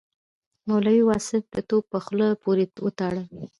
مولوي واصف د توپ په خوله پورې وتاړه.